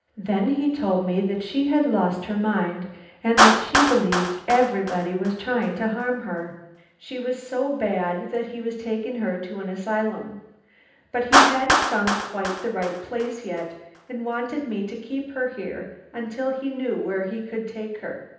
"Then he told me that she had lost her mind, and that she believed everybody was trying to harm her. She was so bad that he was taking her to an asylum. But he hadn't found quite the right place yet, and wanted me to keep her here until he knew where he could take her.